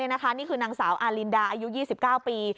นี่คือนางสาวอารินดาอายุ๒๙ปี